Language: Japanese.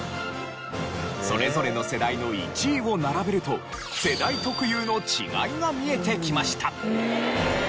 それぞれの世代の１位を並べると世代特有の違いが見えてきました。